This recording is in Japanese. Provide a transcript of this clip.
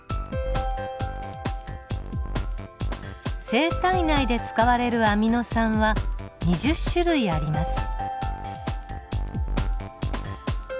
生体内で使われるアミノ酸は２０種類あります。